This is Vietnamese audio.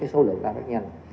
số lượng ra rất nhanh